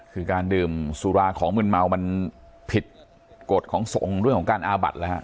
คือการดื่มสุราของมืนเมามันผิดกฎของทรงเรื่องของการอาบัดแล้วฮะ